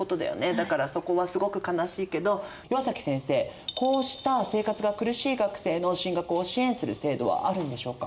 だからそこはすごく悲しいけど岩崎先生こうした生活が苦しい学生の進学を支援する制度はあるんでしょうか？